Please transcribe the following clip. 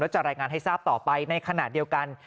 จะรายงานให้ทราบต่อไปในขณะเดียวกัน